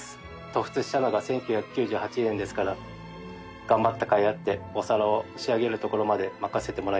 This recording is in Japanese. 渡仏したのが１９９８年ですから頑張ったかいあってお皿を仕上げるところまで任せてもらえました。